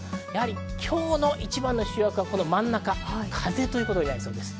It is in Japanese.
今日の一番は真ん中、風ということになりそうです。